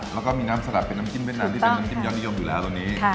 แล้วก็มีน้ำสลัดเป็นน้ำจิ้มเวียดนามที่เป็นน้ำจิ้มยอดนิยมอยู่แล้วตอนนี้